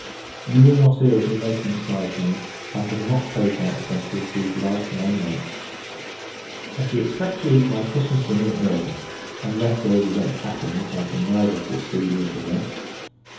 You will not hear of my making prize money. I have not paid my expences these last nine months. I shall expect to eat my Christmas dinner at Merton; unless those events happen which I can neither foresee nor prevent.